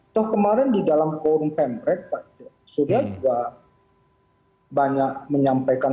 toh kemarin di dalam forum pemrek pak jokowi pak surya juga banyak menyampaikan